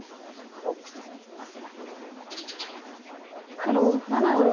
黒７の六。